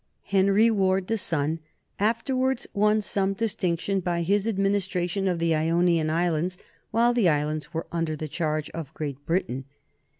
Henry Ward, the son, afterwards won some distinction by his administration of the Ionian Islands while the islands were under the charge of Great Britain.